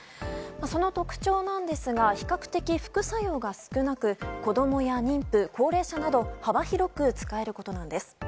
その特徴ですが比較的副作用が少なく子供や妊婦、高齢者など幅広く使えることなんです。